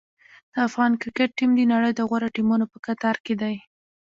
د افغان کرکټ ټیم د نړۍ د غوره ټیمونو په کتار کې دی.